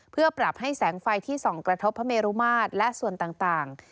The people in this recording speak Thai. เพื่อปรับให้แสงไฟที่ส่องกระทบพระเมรุมาตรและส่วนต่าง